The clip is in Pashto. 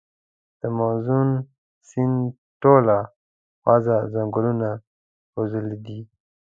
د مازون سیند ټوله حوزه ځنګلونو پوښلي ده.